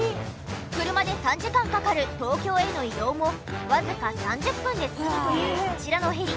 車で３時間かかる東京への移動もわずか３０分で済むというこちらのヘリ。